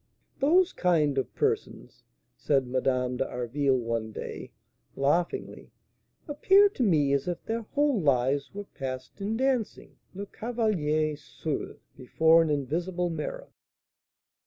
"Those kind of persons," said Madame d'Harville one day, laughingly, "appear to me as if their whole lives were passed in dancing 'Le Cavalier Seul' before an invisible mirror."